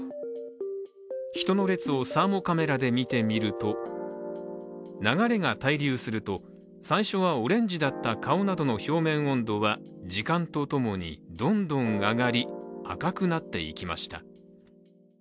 人の列をサーモカメラで見てみると流れが滞留すると、最初はオレンジだった顔などの表面温度は時間とともにどんどん上がり、赤くなっていきました。